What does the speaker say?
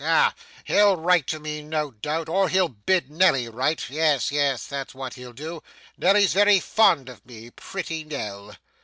Ah! he'll write to me no doubt, or he'll bid Nelly write yes, yes, that's what he'll do. Nelly's very fond of me. Pretty Nell!